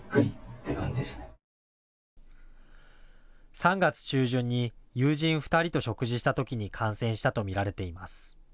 ３月中旬に友人２人と食事したときに感染したと見られています。